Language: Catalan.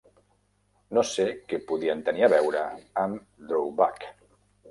No sé què podien tenir a veure amb Drawback!